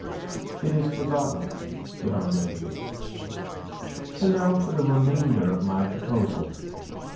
"It is forgotten," said Andre Louis. "And now for the remainder of my proposal.